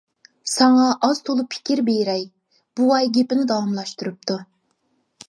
ساڭا ئاز-تولا پىكىر بېرەي، بوۋاي گېپىنى داۋاملاشتۇرۇپتۇ.